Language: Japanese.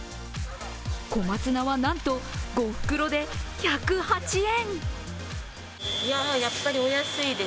小松菜はなんと５袋で１０８円。